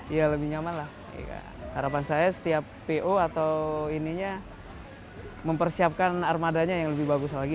ya lebih nyaman lah harapan saya setiap po atau ininya mempersiapkan armadanya yang lebih bagus lagi